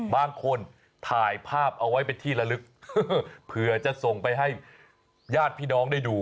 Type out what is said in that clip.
บางคนถ่ายภาพเอาไว้เป็นที่ละลึกเผื่อจะส่งไปให้ญาติพี่น้องได้ดู